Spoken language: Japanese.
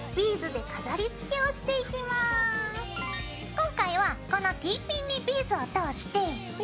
今回はこのＴピンにビーズを通して。